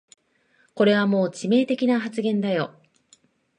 これはもう致命的な発言だよ